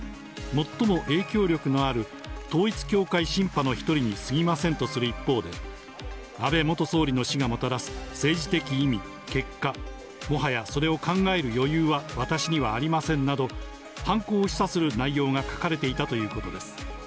最も影響力のある統一教会シンパの一人にすぎませんとする一方で、安倍元総理の死がもたらす政治的意味、結果、もはやそれを考える余裕は私にはありませんなど、犯行を示唆する内容が書かれていたということです。